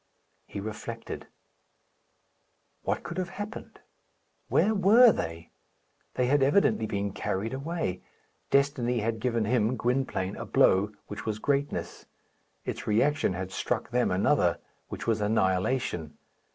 He reflected. What could have happened? Where were they? They had evidently been carried away. Destiny had given him, Gwynplaine, a blow, which was greatness; its reaction had struck them another, which was annihilation.